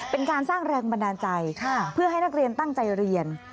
เป็นการสร้างแรงบันดาลใจเพื่อให้นักเรียนตั้งใจเรียน